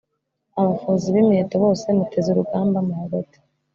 abafozi b imiheto bose Muteze urugamba muhagote